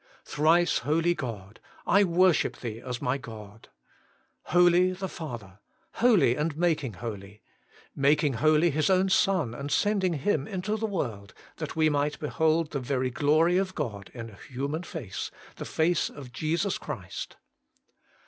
Thrice Holy God ! I worship Thee as my God. HOLY ! THE FATHER ; holy and making holy ; making holy His own Son and sending Him into the world, that we might behold the very glory of God in a human face, the face of Jesus Christ.